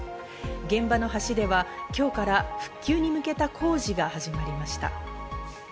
現場の橋では今日から復旧に向けた工事が始まりました。